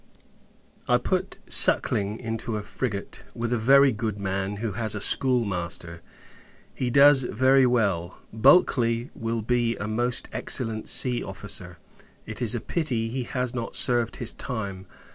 I put Suckling into a frigate, with a very good man, who has a schoolmaster; he does very well. Bulkley will be a most excellent sea officer; it is a pity he has not served his time.